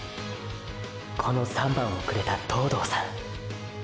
この“３番”をくれた東堂さん。